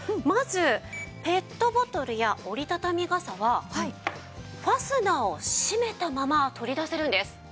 まずペットボトルや折り畳み傘はファスナーを閉めたまま取り出せるんです。